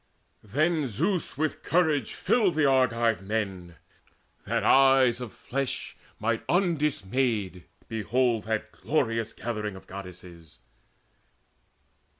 Then Zeus with courage filled the Argive men, That eyes of flesh might undismayed behold That glorious gathering of Goddesses.